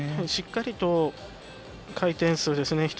しっかりと回転数ですね。